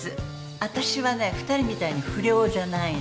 あたしはね２人みたいに不良じゃないの。